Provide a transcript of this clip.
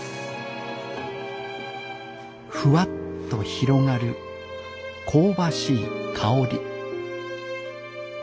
ふわっと広がる香ばしい香り。